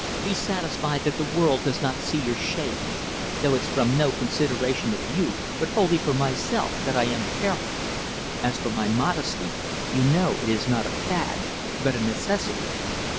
Be satisfied that the world does not see your shame though it's from no consideration of you, but wholly for myself, that I am careful. As for my modesty you know it is not a fad but a necessity."